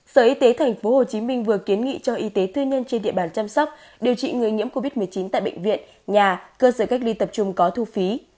sở y tế tp hcm vừa kiến nghị cho y tế tư nhân trên địa bàn chăm sóc điều trị người nhiễm covid một mươi chín tại bệnh viện nhà cơ sở cách ly tập trung có thu phí